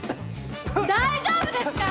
大丈夫ですか！？